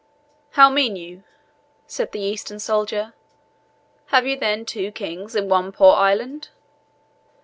"How mean you? " said the Eastern soldier; "have you then two kings in one poor island?"